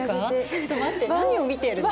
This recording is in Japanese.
ちょっと待って何を見ているの？